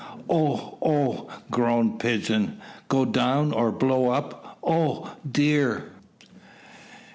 "Oh! oh!" groaned Pigeon. "Go down, or blow up! Oh, dear!"